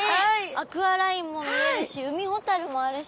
アクアラインも見えるし海ほたるもあるし。